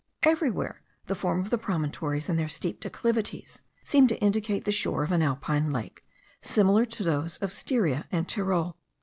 Everywhere the form of the promontories, and their steep declivities, seem to indicate the shore of an alpine lake, similar to those of Styria and Tyrol.